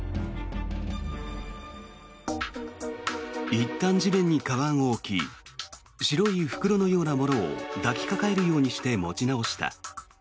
いったん地面にかばんを置き白い袋のようなものを抱きかかえるようにして持ち直した。